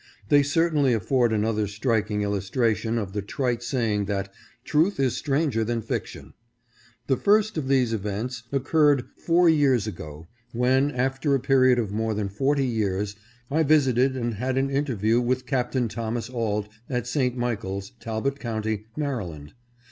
They certainly afford an other striking illustration of the trite saying that " truth is stranger than fiction." The first of these events occurred four years ago, when, after a period of more than forty years, I visited and had an interview with Captain Thomas Auld at St. Michaels, Talbot county, Maryland.